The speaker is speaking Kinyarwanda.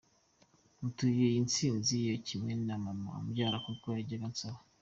Mutuye iyi ntsinzi cyo kimwe na mama umbyara kuko yajyaga ansaba.